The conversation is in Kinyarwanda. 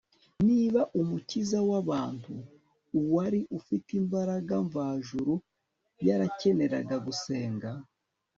niba umukiza w'abantu, uwari ufite imbaraga mvajuru, yarakeneraga gusenga